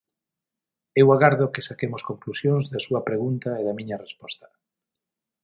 Eu agardo que saquemos conclusións da súa pregunta e da miña resposta.